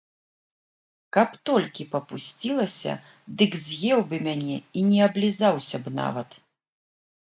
Каб толькі папусцілася, дык з'еў бы мяне і не аблізаўся б нават.